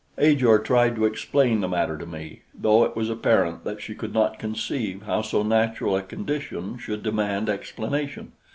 Ajor tried to explain the matter to me, though it was apparent that she could not conceive how so natural a condition should demand explanation.